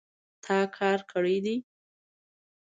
تا کار کړی دی